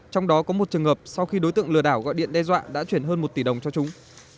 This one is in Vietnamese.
trong đó có một trường hợp sau khi đối tượng lừa đảo gọi điện đe dọa đã chuyển hơn một tỷ đồng cho chúng